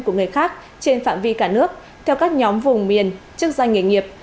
của người khác trên phạm vi cả nước theo các nhóm vùng miền chức danh nghề nghiệp